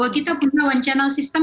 kita punya one channel system